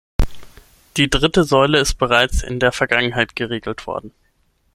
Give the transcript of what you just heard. Die dritte Säule ist bereits in der Vergangenheit geregelt worden.